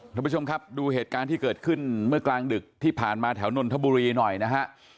ท่านผู้ชมครับดูเหตุการณ์ที่เกิดขึ้นเมื่อกลางดึกที่ผ่านมาแถวนนทบุรีหน่อยนะฮะ